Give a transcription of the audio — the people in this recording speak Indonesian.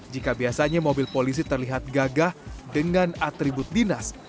jika biasanya mobil polisi terlihat gagah dengan atribut dinas